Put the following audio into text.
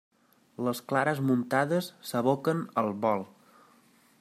Les clares muntades s'aboquen al bol.